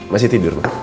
masih tidur pak